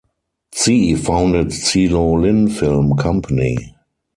Tsi founded Tsi Lo Lin Film Company.